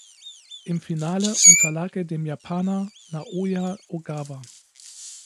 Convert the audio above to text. Im Finale unterlag er dem Japaner Naoya Ogawa.